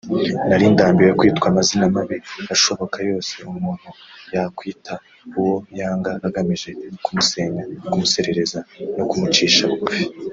nari ndambiwe kwitwa amazina mabi ashoboka yose umuntu yakwita uwo yanga agamije kumusenya kumusesereza no kumucisha bugufi